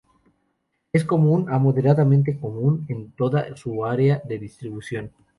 Es común a moderadamente común en toda su área de distribución.